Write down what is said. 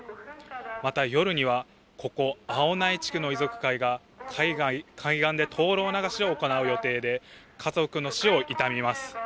また夜には、ここ青苗地区の遺族会が、海岸で灯籠流しを行う予定で、家族の死を悼みます。